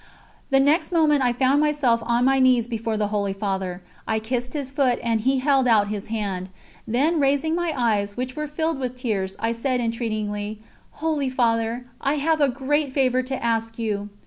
The next moment I found myself on my knees before the Holy Father. I kissed his foot and he held out his hand; then raising my eyes, which were filled with tears, I said entreatingly: "Holy Father, I have a great favour to ask you."